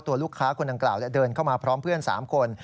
ตัวลูกค้าคนดังกล่าวเดินเข้ามาพร้อมเพื่อน๓คน